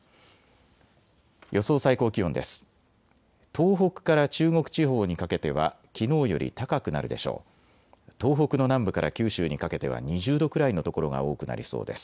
予想最高気温です。